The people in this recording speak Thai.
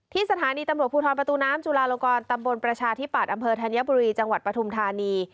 สถานีตำรวจภูทรประตูน้ำจุลาลงกรตำบลประชาธิปัตย์อำเภอธัญบุรีจังหวัดปฐุมธานี